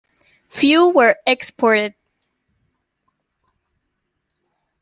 Few were exported.